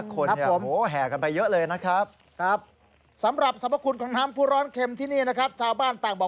คนแห่กันไปเยอะเลยนะครับ